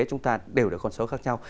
chúng ta đều đều có con số khác nhau